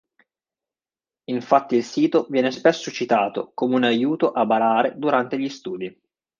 Infatti il sito viene spesso citato come un aiuto a barare durante gli studi.